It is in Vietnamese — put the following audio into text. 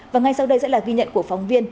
và ngay sau đây sẽ là ghi nhận của phóng viên